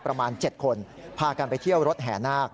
ประมาณ๗คนพากันไปเที่ยวรถแห่นาค